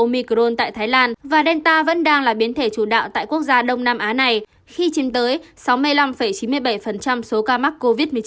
nhiễm biến thể omicron tại thái lan và delta vẫn đang là biến thể chủ đạo tại quốc gia đông nam á này khi chìm tới sáu mươi năm chín mươi bảy số ca mắc covid một mươi chín